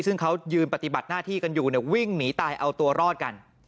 ซึ่งเขายืนปฏิบัติหน้าที่กันอยู่เนี่ยวิ่งหนีตายเอาตัวรอดกัน